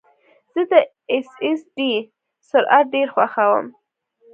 زه د ایس ایس ډي سرعت ډېر خوښوم.